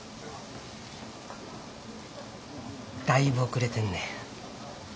だいぶ遅れてんねん。